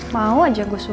mau aja gue suruh